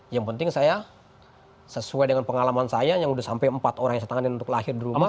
yang penting saya sesuai dengan pengalaman saya yang udah sampai empat orang yang saya tanganin untuk lahir di rumah